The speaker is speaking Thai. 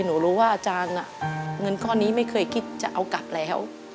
หนูรู้ว่าอาจารย์เงินก้อนนี้ไม่เคยคิดจะเอากลับแล้ว